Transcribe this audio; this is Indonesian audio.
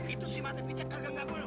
itu si mata pijak kagak gagak loh